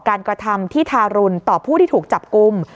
กระทำที่ทารุณต่อผู้ที่ถูกจับกลุ่ม